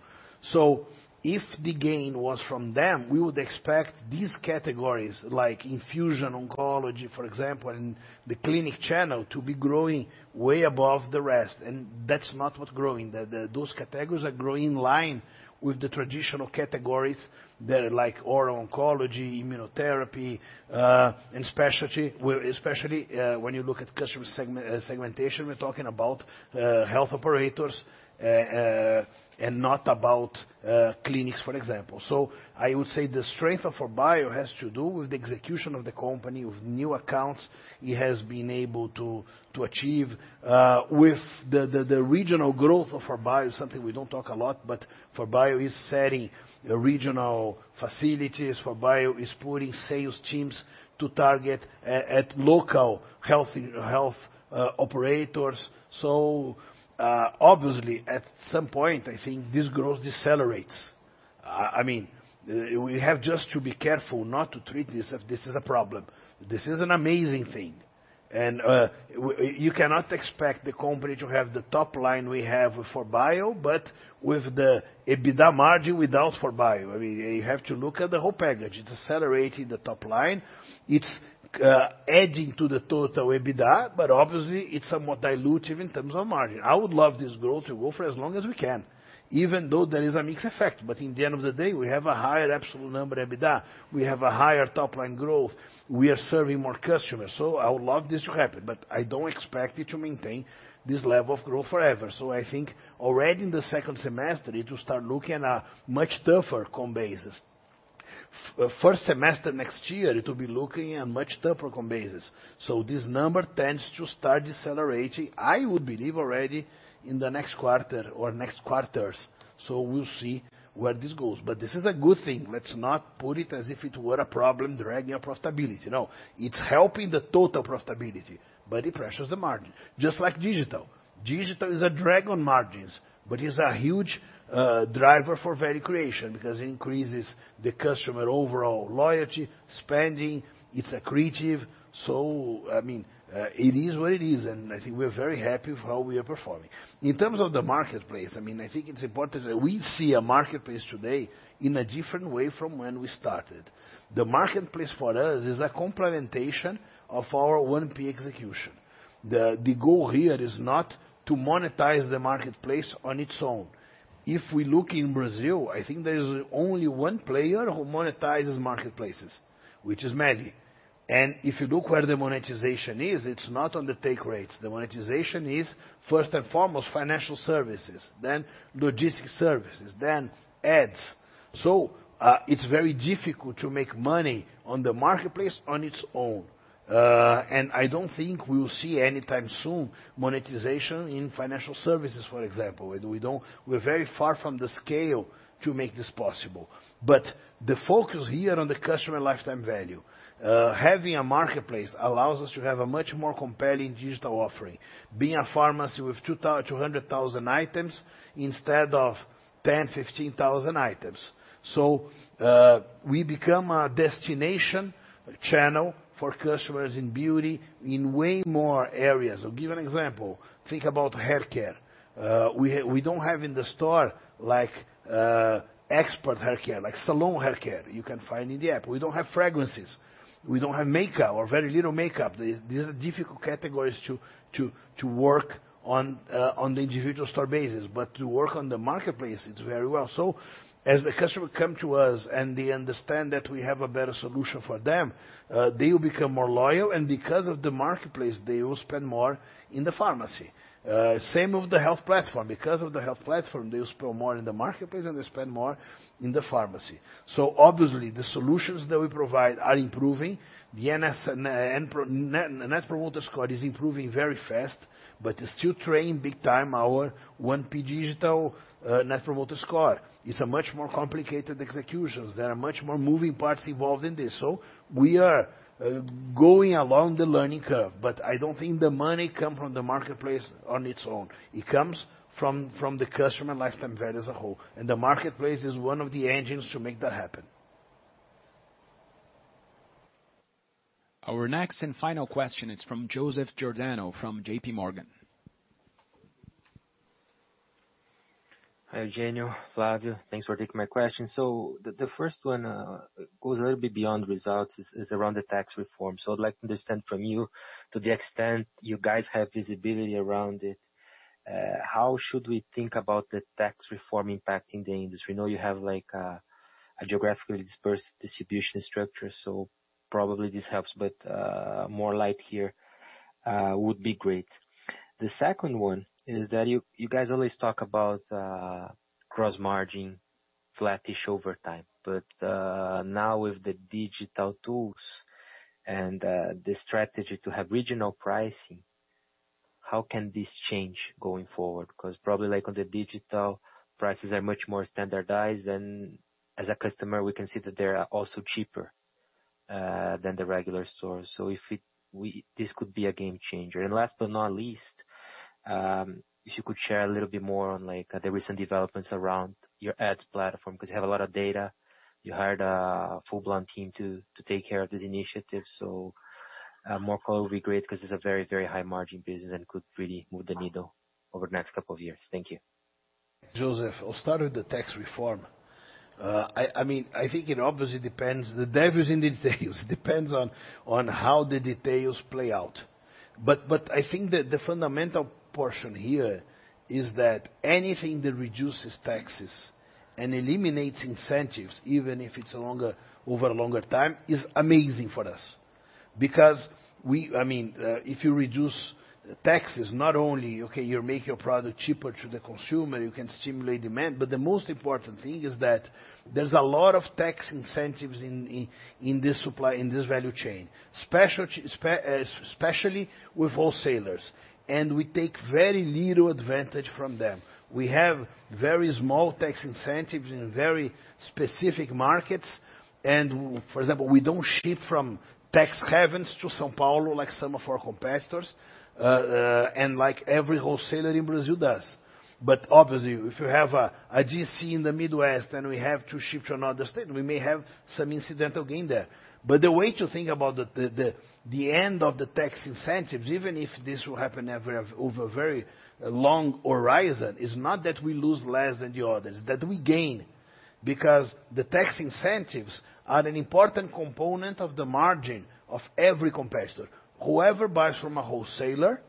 If the gain was from them, we would expect these categories, like infusion, oncology, for example, and the clinic channel, to be growing way above the rest. That's not what's growing. Those categories are growing in line with the traditional categories that are like oral oncology, immunotherapy, and specialty. Especially when you look at customer segmentation, we're talking about health operators, and not about clinics, for example. I would say the strength of 4Bio has to do with the execution of the company, with new accounts it has been able to, to achieve, with the, the, the regional growth of 4Bio, something we don't talk a lot, but 4Bio is setting regional facilities. 4Bio is putting sales teams to target a- at local health, health, operators. I mean, we have just to be careful not to treat this as this is a problem. This is an amazing thing, and we cannot expect the company to have the top line we have with 4Bio, but with the EBITDA margin without 4Bio. I mean, you have to look at the whole package. It's accelerating the top line, it's- adding to the total EBITDA, obviously, it's somewhat dilutive in terms of margin. I would love this growth to go for as long as we can, even though there is a mixed effect. In the end of the day, we have a higher absolute number EBITDA, we have a higher top line growth, we are serving more customers, so I would love this to happen, but I don't expect it to maintain this level of growth forever. I think already in the second semester, it will start looking at a much tougher comp basis. first semester next year, it will be looking at much tougher comp basis, so this number tends to start decelerating, I would believe already in the next quarter or next quarters, so we'll see where this goes. This is a good thing. Let's not put it as if it were a problem dragging up profitability. It's helping the total profitability, but it pressures the margin. Just like digital. Digital is a drag on margins, but it's a huge driver for value creation because it increases the customer overall loyalty, spending, it's accretive. I mean, it is what it is, and I think we're very happy with how we are performing. In terms of the marketplace, I mean, I think it's important that we see a marketplace today in a different way from when we started. The marketplace for us is a complementation of our 1P execution. The goal here is not to monetize the marketplace on its own. If we look in Brazil, I think there is only one player who monetizes marketplaces, which is MELI. If you look where the monetization is, it's not on the take rates. The monetization is, first and foremost, financial services, then logistic services, then ads. It's very difficult to make money on the marketplace on its own. I don't think we'll see anytime soon monetization in financial services, for example. We're very far from the scale to make this possible. The focus here on the customer lifetime value, having a marketplace allows us to have a much more compelling digital offering. Being a pharmacy with 200,000 items instead of 10,000 items-15,000 items. We become a destination channel for customers in beauty in way more areas. I'll give an example. Think about haircare. We, we don't have in the store, like, expert haircare, like salon haircare you can find in the app. We don't have fragrances, we don't have makeup or very little makeup. These are difficult categories to work on the individual store basis, but to work on the marketplace, it's very well. As the customer come to us and they understand that we have a better solution for them, they will become more loyal, and because of the marketplace, they will spend more in the pharmacy. Same with the health platform. Because of the health platform, they will spend more in the marketplace, and they spend more in the pharmacy. Obviously, the solutions that we provide are improving. The Net Promoter Score is improving very fast, but it still train big time our 1P digital Net Promoter Score. It's a much more complicated executions. There are much more moving parts involved in this, so we are going along the learning curve, but I don't think the money come from the marketplace on its own. It comes from, from the customer lifetime value as a whole, and the marketplace is one of the engines to make that happen. Our next and final question is from Joseph Giordano, from JPMorgan. Hi, Eugenio, Flavio, thanks for taking my question. The, the first one, goes a little bit beyond results, is, is around the tax reform. I'd like to understand from you, to the extent you guys have visibility around it, how should we think about the tax reform impacting the industry? We know you have, like, a, a geographically dispersed distribution structure, so probably this helps, but, more light here, would be great. The second one is that you, you guys always talk about, gross margin, flattish over time. Now with the digital tools and, the strategy to have regional pricing, how can this change going forward? Because probably, like on the digital, prices are much more standardized, and as a customer, we can see that they are also cheaper, than the regular store. This could be a game changer. Last but not least, if you could share a little bit more on, like, the recent developments around your ads platform, because you have a lot of data. You hired a full-blown team to, to take care of this initiative, so, more color would be great, because it's a very, very high margin business and could really move the needle over the next couple of years. Thank you. Joseph, I'll start with the tax reform. I mean, I think it obviously depends. The devil is in details. Depends on how the details play out. I think the, the fundamental portion here is that anything that reduces taxes and eliminates incentives, even if it's longer, over longer time, is amazing for us. We- I mean, if you reduce taxes, not only, okay, you make your product cheaper to the consumer, you can stimulate demand, but the most important thing is that there's a lot of tax incentives in, in, in this supply, in this value chain, special, especially with wholesalers, and we take very little advantage from them. We have very small tax incentives in very specific markets. For example, we don't ship from tax havens to São Paulo, like some of our competitors, and like every wholesaler in Brazil does. Obviously, if you have a DC in the Midwest, and we have to ship to another state, we may have some incidental gain there. The way to think about the end of the tax incentives, even if this will happen over a very long horizon, is not that we lose less than the others, that we gain, because the tax incentives are an important component of the margin of every competitor. Whoever buys from a wholesaler-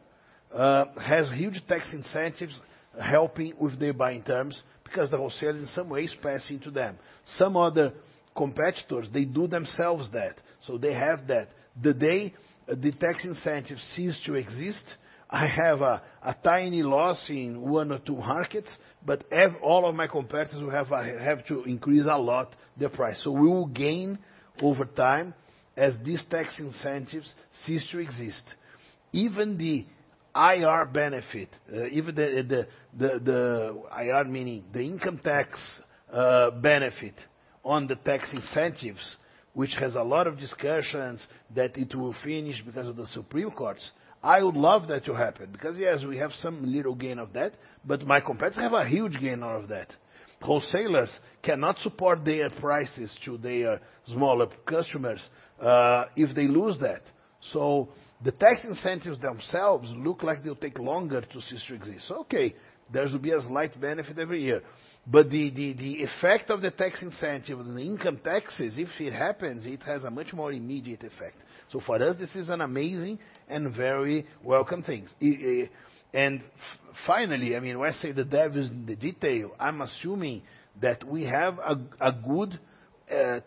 has huge tax incentives helping with their buying terms, because the wholesaler in some ways passing to them. Some other competitors, they do themselves that, so they have that. The day the tax incentive cease to exist, I have a tiny loss in one or two markets, but all of my competitors will have to increase a lot their price. We will gain over time as these tax incentives cease to exist. Even the IR benefit, even the IR, meaning the income tax benefit on the tax incentives, which has a lot of discussions that it will finish because of the Supreme Court, I would love that to happen. Yes, we have some little gain of that, but my competitors have a huge gain out of that. Wholesalers cannot support their prices to their smaller customers if they lose that. The tax incentives themselves look like they'll take longer to cease to exist. Okay, there will be a slight benefit every year. The, the, the effect of the tax incentive on the income taxes, if it happens, it has a much more immediate effect. For us, this is an amazing and very welcome things. Finally, I mean, when I say the devil is in the detail, I'm assuming that we have a, a good,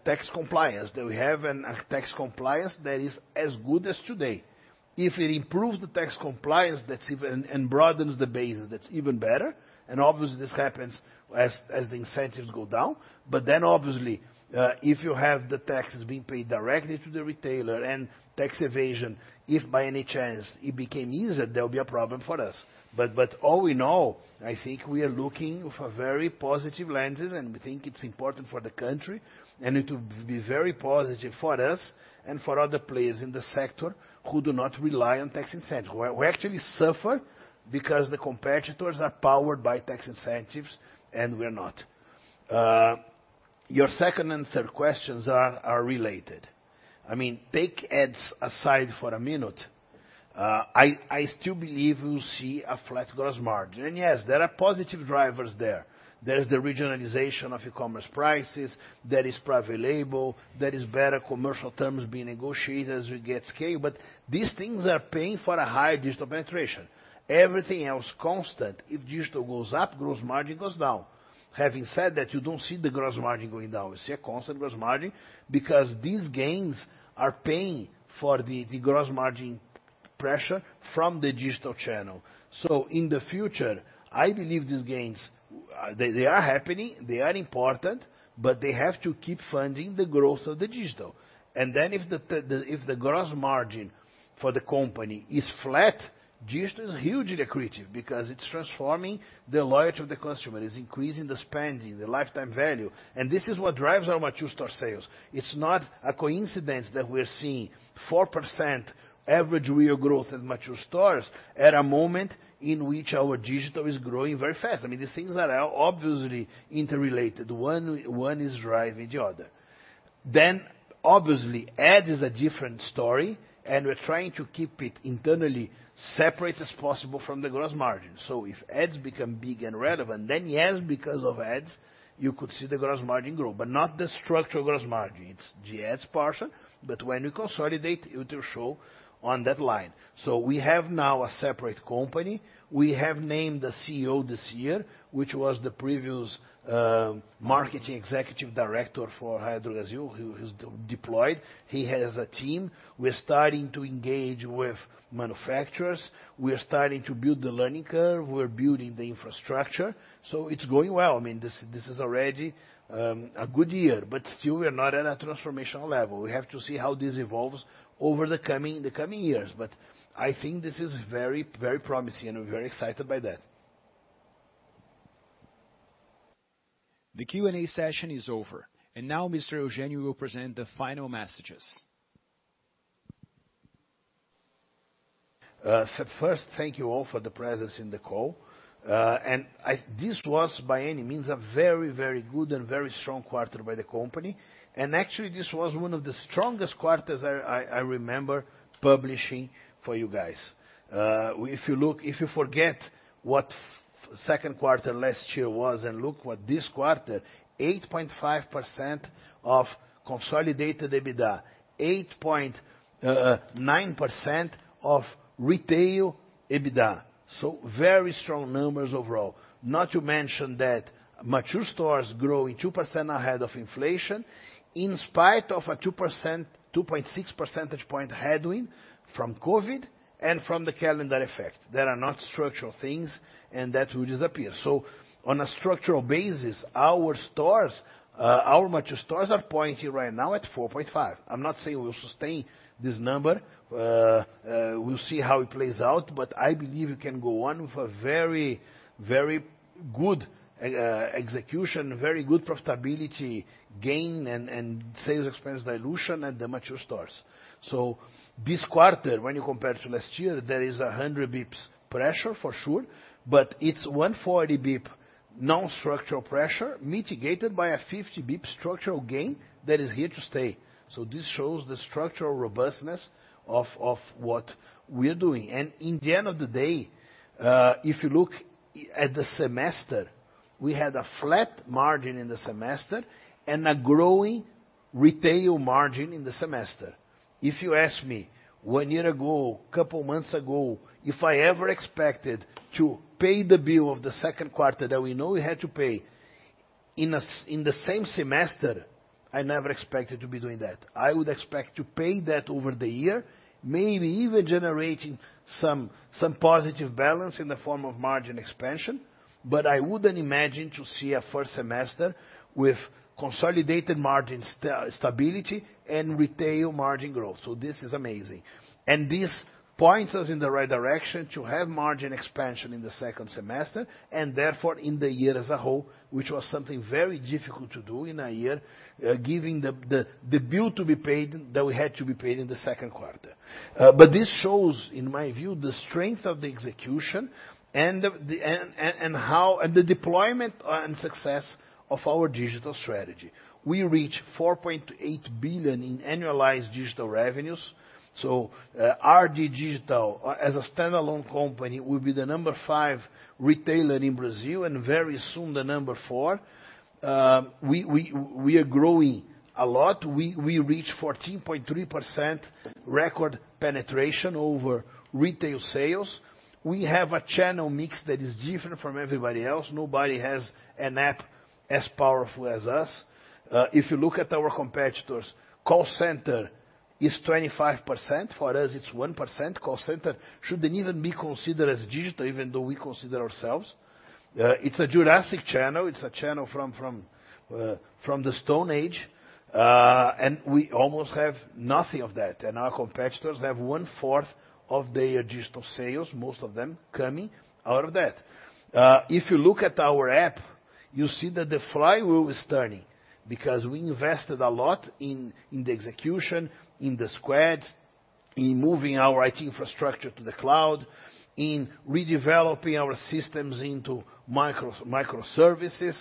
tax compliance, that we have an, a tax compliance that is as good as today. If it improves the tax compliance, that's even. Broadens the base, that's even better, and obviously, this happens as, as the incentives go down. Then, obviously, if you have the taxes being paid directly to the retailer and tax evasion, if by any chance it became easier, there'll be a problem for us. All we know, I think we are looking for very positive lenses, and we think it's important for the country, and it will be very positive for us and for other players in the sector who do not rely on tax incentives. We actually suffer because the competitors are powered by tax incentives, and we're not. Your second and third questions are related. I mean, take ads aside for a minute, I still believe you'll see a flat gross margin. Yes, there are positive drivers there. There's the regionalization of e-commerce prices, there is private label, there is better commercial terms being negotiated as we get scale, but these things are paying for a higher digital penetration. Everything else constant, if digital goes up, gross margin goes down. Having said that, you don't see the gross margin going down. You see a constant gross margin because these gains are paying for the gross margin pressure from the digital channel. In the future, I believe these gains, they are happening, they are important, but they have to keep funding the growth of the digital. Then if the gross margin for the company is flat, digital is hugely accretive because it's transforming the loyalty of the customer. It's increasing the spending, the lifetime value, and this is what drives our mature store sales. It's not a coincidence that we're seeing 4% average real growth in mature stores at a moment in which our digital is growing very fast. I mean, these things are obviously interrelated. One, one is driving the other. Obviously, ad is a different story, and we're trying to keep it internally separate as possible from the gross margin. If ads become big and relevant, then, yes, because of ads, you could see the gross margin grow, but not the structural gross margin. It's the ads portion, but when you consolidate, it will show on that line. We have now a separate company. We have named a CEO this year, which was the previous marketing executive director for Raia Drogasil, who is deployed. He has a team. We're starting to engage with manufacturers. We are starting to build the learning curve. We're building the infrastructure, so it's going well. I mean, this, this is already a good year, but still, we are not at a transformational level. We have to see how this evolves over the coming, the coming years. I think this is very, very promising, and we're very excited by that. The Q&A session is over. Now Mr. Eugenio will present the final messages. First, thank you all for the presence in the call. This was, by any means, a very, very good and very strong quarter by the company, and actually, this was one of the strongest quarters I, I, I remember publishing for you guys. If you look, if you forget what second quarter last year was and look what this quarter, 8.5% of consolidated EBITDA, 8.9% of retail EBITDA, very strong numbers overall. Not to mention that mature stores growing 2% ahead of inflation, in spite of a 2%, 2.6 percentage point headwind from COVID and from the calendar effect. That are not structural things, that will disappear. On a structural basis, our stores, our mature stores are pointing right now at 4.5. I'm not saying we'll sustain this number, we'll see how it plays out, but I believe we can go on with a very, very good execution, very good profitability gain and, and sales expense dilution at the mature stores. This quarter, when you compare to last year, there is a 100 basis points pressure, for sure, but it's 140 basis points non-structural pressure, mitigated by a 50 basis points structural gain that is here to stay. This shows the structural robustness of, of what we're doing. In the end of the day, if you look at the semester, we had a flat margin in the semester and a growing retail margin in the semester. If you ask me one year ago, couple months ago, if I ever expected to pay the bill of the second quarter that we know we had to pay in the same semester, I never expected to be doing that. I would expect to pay that over the year, maybe even generating some, some positive balance in the form of margin expansion, but I wouldn't imagine to see a first semester with consolidated margin stability and retail margin growth. This is amazing. This points us in the right direction to have margin expansion in the second semester, and therefore, in the year as a whole, which was something very difficult to do in a year, giving the bill to be paid, that we had to be paid in the second quarter. This shows, in my view, the strength of the execution and the deployment and success of our digital strategy. We reach 4.8 billion in annualized digital revenues. RD Digital, as a standalone company, will be the number five retailer in Brazil, and very soon, the number four. We are growing a lot. We reach 14.3% record penetration over retail sales. We have a channel mix that is different from everybody else. Nobody has an app as powerful as us. If you look at our competitors, call center is 25%. For us, it's 1%. Call center shouldn't even be considered as digital, even though we consider ourselves. It's a Jurassic channel. It's a channel from, from, from the Stone Age, we almost have nothing of that, and our competitors have one-fourth of their digital sales, most of them coming out of that. If you look at our app, you see that the flywheel is turning, because we invested a lot in, in the execution, in the squads, in moving our IT infrastructure to the cloud, in redeveloping our systems into micro, microservices.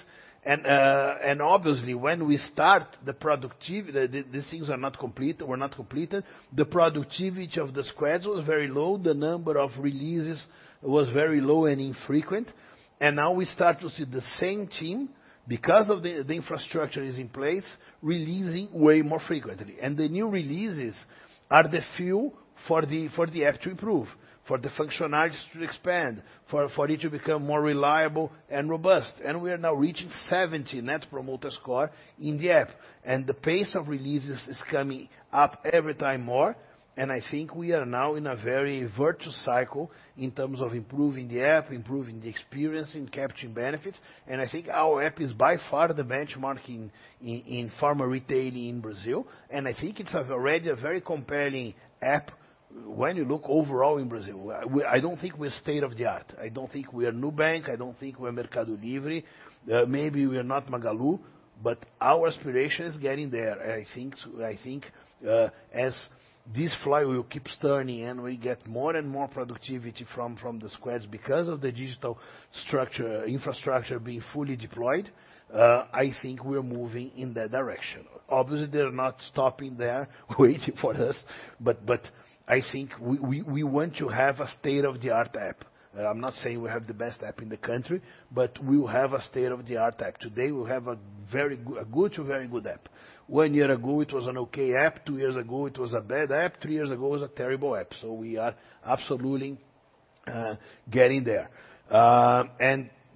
Obviously, when we start the productivity, the, the, these things are not complete were not completed. The productivity of the squads was very low. The number of releases was very low and infrequent. Now we start to see the same team, because of the, the infrastructure is in place, releasing way more frequently. The new releases are the fuel for the, for the app to improve, for the functionalities to expand, for, for it to become more reliable and robust. We are now reaching 70 Net Promoter Score in the app, and the pace of releases is coming up every time more, and I think we are now in a very virtuous cycle in terms of improving the app, improving the experience, and capturing benefits. I think our app is by far the benchmarking in, in pharma retailing in Brazil, and I think it's already a very compelling app when you look overall in Brazil. I don't think we're state-of-the-art. I don't think we are Nubank, I don't think we're Mercado Libre. Maybe we are not Magalu, but our aspiration is getting there, and I think, I think, as this flywheel keeps turning, and we get more and more productivity from, from the squads because of the digital structure, infrastructure being fully deployed, I think we're moving in that direction. Obviously, they're not stopping there, waiting for us, but, but I think we, we, we want to have a state-of-the-art app. I'm not saying we have the best app in the country, but we will have a state-of-the-art app. Today, we have a very good, a good to very good app. One year ago, it was an okay app. Two years ago, it was a bad app. Three years ago, it was a terrible app. We are absolutely getting there.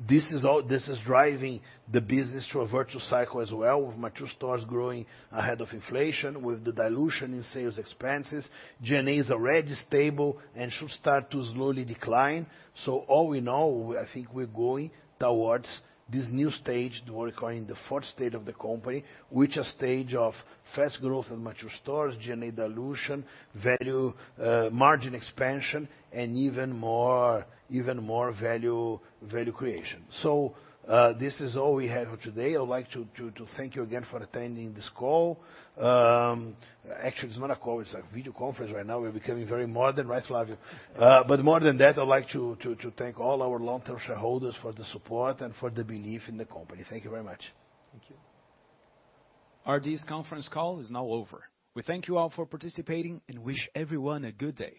This is all, this is driving the business through a virtual cycle as well, with mature stores growing ahead of inflation, with the dilution in sales expenses. G&A is already stable and should start to slowly decline. All in all, I think we're going towards this new stage, we're calling the fourth stage of the company, which a stage of fast growth and mature stores, G&A dilution, value, margin expansion, and even more, even more value, value creation. This is all we have for today. I'd like to thank you again for attending this call. Actually, it's not a call, it's a video conference right now. We're becoming very modern, right, Flavio? More than that, I'd like to thank all our long-term shareholders for the support and for the belief in the company. Thank you very much. Thank you. RD's conference call is now over. We thank you all for participating and wish everyone a good day.